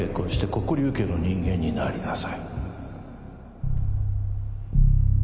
黒龍家の人間になりなさい